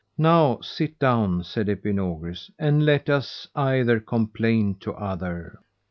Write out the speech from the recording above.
Now sit down, said Epinogris, and let us either complain to other.